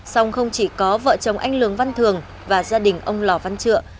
xong không chỉ có vợ chồng anh lương văn thường và gia đình ông lò văn trựa